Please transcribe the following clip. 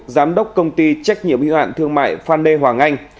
giám đốc công ty trách nhiệm hữu ạn thương mại phan lê hoàng anh